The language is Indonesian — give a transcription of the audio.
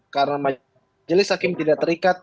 karena majelis hakim tidak terikat